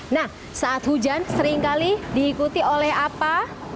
nah saat hujan seringkali diikuti oleh apa